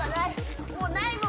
もうないもん